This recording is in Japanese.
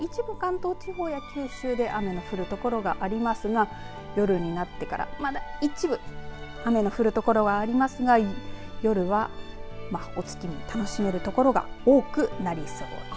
一部、関東地方や九州で雨の降るところがありますが夜になってからまだ一部、雨の降るところがありますが夜はお月見楽しめるところが多くなりそうです。